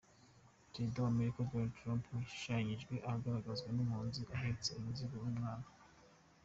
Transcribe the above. Perezida wa Amerika Donald Trump yashushanyijwe agaragazwa nk’impunzi ahetse umuzigo n’umwana.